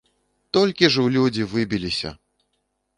Толькі ж у людзі выбіліся!